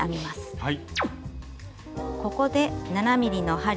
はい。